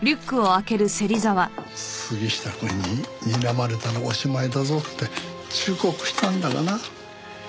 杉下くんににらまれたらおしまいだぞって忠告したんだがな。